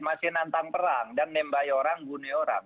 masih nantang perang dan nembay orang buni orang